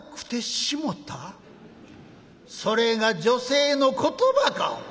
それが女性の言葉かお前。